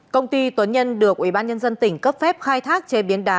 công ty tuấn nhân được ủy ban nhân dân tỉnh cấp phép khai thác chế biến đá